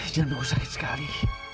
jangan tunggu sakit sekali